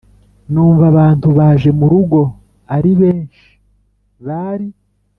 numva abantu baje murugo ari benshi bari